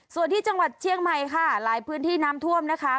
ส่วนที่จังหวัดเชียงใหม่ค่ะหลายพื้นที่น้ำท่วมนะคะ